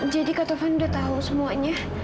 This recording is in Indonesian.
jadi kak tovan udah tahu semuanya